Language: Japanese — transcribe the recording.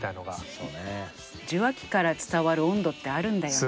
受話器から伝わる温度ってあるんだよね。